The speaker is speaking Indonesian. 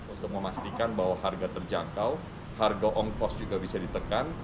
untuk memastikan bahwa harga terjangkau harga ongkos juga bisa ditekan